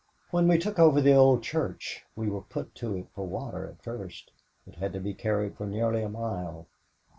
When we took over the old church we were put to it for water at first. It had to be carried for nearly a mile.